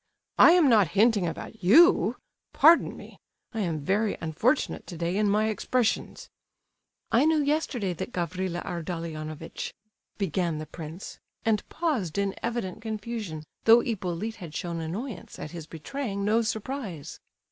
I am not hinting about you; pardon me! I am very unfortunate today in my expressions." "I knew yesterday that Gavrila Ardalionovitch—" began the prince, and paused in evident confusion, though Hippolyte had shown annoyance at his betraying no surprise.